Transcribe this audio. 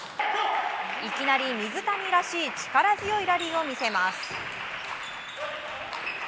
いきなり水谷らしい力強いラリーを見せます。